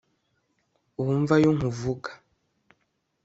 wumve ayo nkuvuga